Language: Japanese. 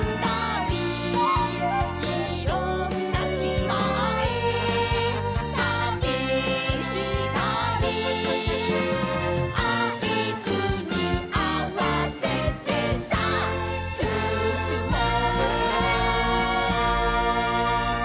「いろんなしまへたびしたり」「あいずにあわせて、さあ、すすもう」